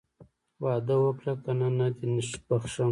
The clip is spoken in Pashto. واده وکړه که نه نه دې بښم.